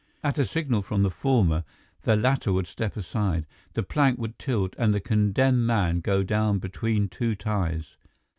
At a signal from the former the latter would step aside, the plank would tilt and the condemned man go down between two ties.